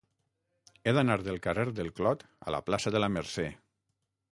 He d'anar del carrer del Clot a la plaça de la Mercè.